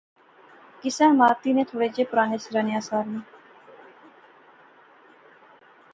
کسے عمارتی نے تھوڑے جے پرانے سرانے آثار نئیں